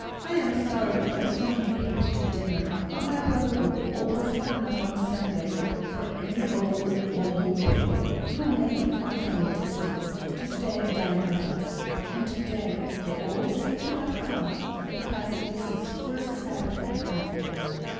I am sorry we have so many people to dinner, but my brother will always have enough on Sundays for any old or weak people, who may have come from a distance, to stay and dine with us; and to day they all seem to have come, because it is his first Sabbath at home."